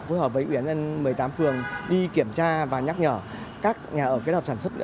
phối hợp với ủy dân một mươi tám phường đi kiểm tra và nhắc nhở các nhà ở kết hợp sản xuất